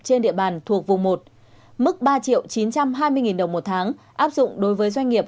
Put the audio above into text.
trên địa bàn thuộc vùng một mức ba triệu chín trăm hai mươi đồng một tháng áp dụng đối với doanh nghiệp